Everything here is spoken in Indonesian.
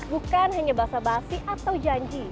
bukan hanya basa basi atau janji